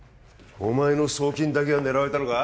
お前の送金だけが狙われたのか？